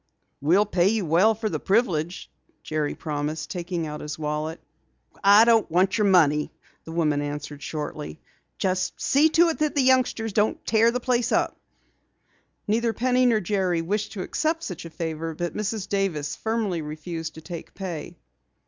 "We'll pay you well for the privilege," Jerry promised, taking out his wallet. "I don't want your money," the woman answered shortly. "Just see to it that the youngsters don't tear up the place." Neither Penny nor Jerry wished to accept such a favor, but Mrs. Davis firmly refused to take pay.